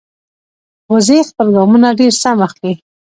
وزې خپل ګامونه ډېر سم اخلي